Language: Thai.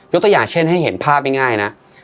ตัวอย่างเช่นให้เห็นภาพง่ายนะ